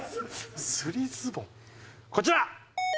こちら！